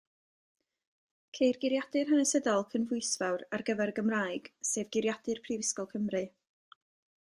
Ceir geiriadur hanesyddol cynhwysfawr ar gyfer y Gymraeg, sef Geiriadur Prifysgol Cymru.